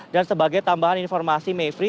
dan sebagai tambahan informasi mevi